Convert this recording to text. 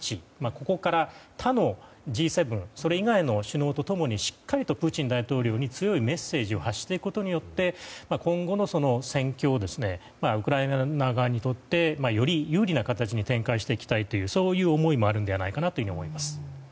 ここから他のＧ７、それ以外の首脳と共にしっかりとプーチン大統領に強いメッセージを発していくことによって今後の戦況をウクライナ側にとってより有利な形に展開していきたいという思いもあると思います。